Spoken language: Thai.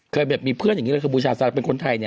แบบมีเพื่อนอย่างนี้เลยคือบูชาซาเป็นคนไทยเนี่ย